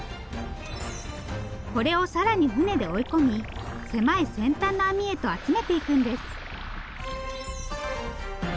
これを更に船で追い込み狭い先端の網へと集めていくんです。